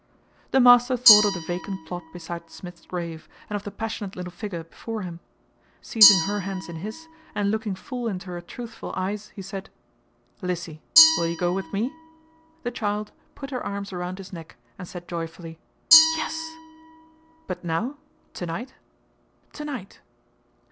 The master thought of the vacant plot beside Smith's grave, and of the passionate little figure before him. Seizing her hands in his and looking full into her truthful eyes, he said: "Lissy, will you go with ME?" The child put her arms around his neck, and said joyfully, "Yes." "But now tonight?" "Tonight."